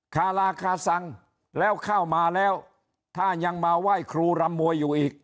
คาราคาซังแล้วเข้ามาแล้วถ้ายังมาไหว้ครูรำมวยอยู่อีก